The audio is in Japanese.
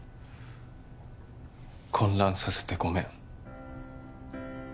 混乱させてごめん